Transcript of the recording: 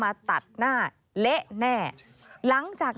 มันเกิดเหตุเป็นเหตุที่บ้านกลัว